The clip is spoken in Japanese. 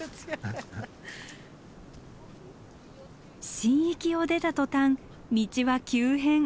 神域を出た途端道は急変。